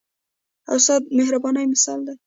استاد د مهربانۍ مثال دی.